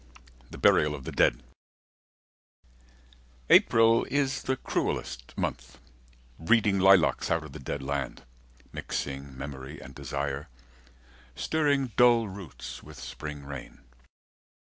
THE BURIAL OF THE DEAD April is the cruellest month, breeding Lilacs out of the dead land, mixing Memory and desire, stirring Dull roots with spring rain.